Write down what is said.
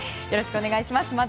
よろしくお願いします。